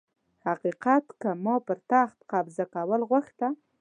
حقيقت کي ما پر تخت قبضه کول غوښته